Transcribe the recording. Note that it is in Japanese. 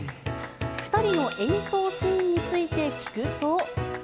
２人の演奏シーンについて聞くと。